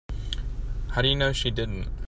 How do you know she didn't?